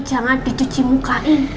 jangan dicuci mukain